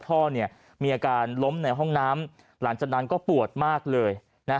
พ่อมีอาการล้มในห้องน้ำหลังจากนั้นก็ปวดมากเลย